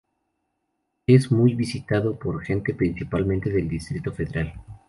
Es muy visitado por gente principalmente del Distrito Federal.